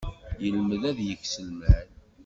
Yelmed ad yeks lmal.